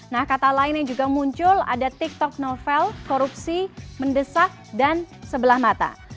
nah kata lain yang juga muncul ada tiktok novel korupsi mendesak dan sebelah mata